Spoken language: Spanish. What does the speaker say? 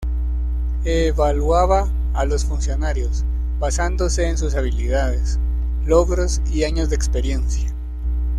Evaluaba a los funcionarios, basándose en sus habilidades, logros y años de experiencia.